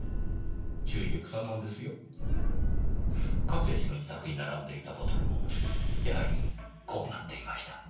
勝谷氏の自宅に並んでいたボトルもやはりこうなっていました。